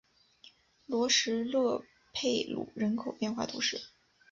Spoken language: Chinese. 罗什勒佩鲁人口变化图示